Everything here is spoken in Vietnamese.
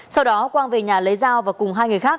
sau đó quang về nhà lấy dao và cùng hai người khác